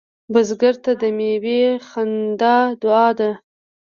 بزګر ته د میوې خندا دعا ده